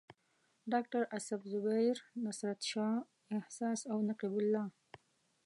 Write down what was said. ډاکټر اصف زبیر، نصرت شاه احساس او نقیب الله.